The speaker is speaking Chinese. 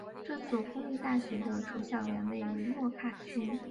这所公立大学的主校园位于莫卡区。